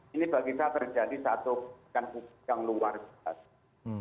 ini bagi kita terjadi satu bukan hubungan luar biasa